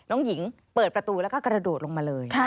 น้องหญิงเปิดประตูแล้วก็กระโดดลงมาเลย